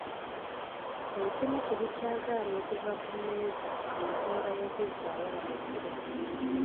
Ekimu ku bikyagaanye okuva ku mmeeza y'ensonga y'okuzzaawo Amasiro.